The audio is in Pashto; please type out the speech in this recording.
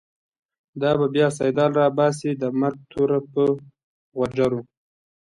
دا به بیا« سیدال» راباسی، د مرگ توره په غوجرو